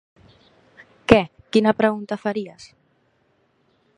Què, quina pregunta faries?